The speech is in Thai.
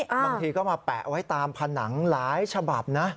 บางทีก็มาแปะไว้ตามผนังหลายฉบับนะ